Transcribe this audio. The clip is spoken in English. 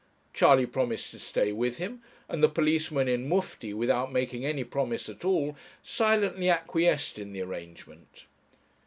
Charley promised to stay with him, and the policeman in mufti, without making any promise at all, silently acquiesced in the arrangement.